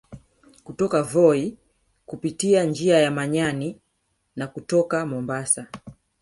Kutoka Voi kupitia njia ya Manyani na kutoka Mombasa